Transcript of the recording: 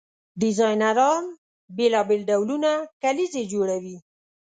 ډیزاینران بیلابیل ډولونه کلیزې جوړوي.